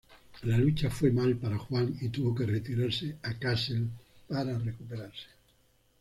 La lucha fue mal para Juan y tuvo que retirarse a Kassel para recuperarse.